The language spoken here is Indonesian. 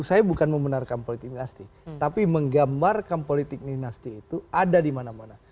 saya bukan membenarkan politik dinasti tapi menggambarkan politik dinasti itu ada di mana mana